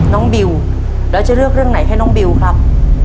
บิวแล้วจะเลือกเรื่องไหนให้น้องบิวครับ